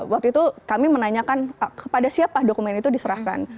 waktu itu kami menanyakan kepada siapa dokumen itu diserahkan